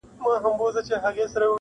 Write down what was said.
• ځان کي مهوه سمه کله چي ځان وینم,